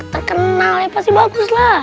terkenal ya pasti bagus lah